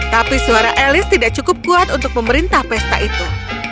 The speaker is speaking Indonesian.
tapi suara elis tidak cukup kuat untuk memerintah pesta itu